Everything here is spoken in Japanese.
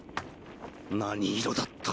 何色だった？